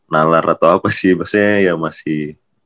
nalar atau apa sih maksudnya ya masih